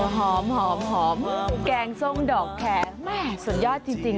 หอมหอมหอมแกงส้มดอกแคร์แม่ส่วนยอดจริงจริง